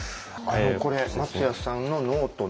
これ松谷さんのノートの表紙。